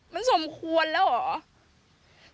มันสมควรแล้วเหรอ